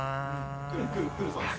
来る来る。